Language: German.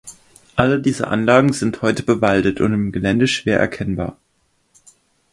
Alle diese Anlagen sind heute bewaldet und im Gelände schwer erkennbar.